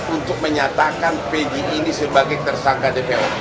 untuk menyatakan pg ini sebagai tersangka dpo